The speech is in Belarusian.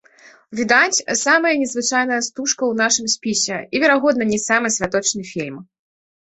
Відаць, самая незвычайная стужка ў нашым спісе і, верагодна, не самы святочны фільм.